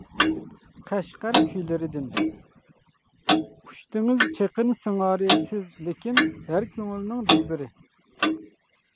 ( «قەشقەر كۈيلىرى» دىن) ئۇچتىڭىز چېقىن سىڭارى سىز لېكىن، ھەر كۆڭۈلنىڭ دىلبىرى.